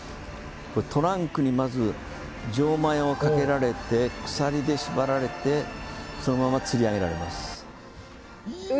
トランクにまず錠前をかけられて鎖で縛られてそのままつり上げられます。